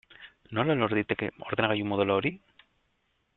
Nola lor daiteke ordenagailu modelo hori?